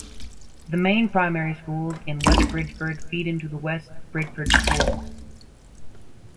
The main primary schools in West Bridgford feed into the West Bridgford School.